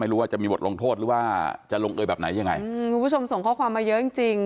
รู้ว่าจะมีบทลงโทษหรือว่าจะลงเอยแบบไหนยังไงอืมคุณผู้ชมส่งข้อความมาเยอะจริงจริง